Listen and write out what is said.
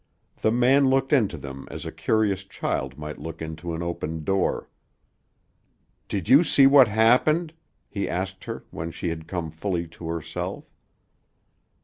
The man looked into them as a curious child might look into an opened door. "Did you see what happened?" he asked her when she had come fully to herself.